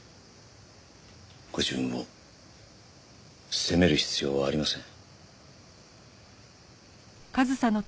ご自分を責める必要はありません。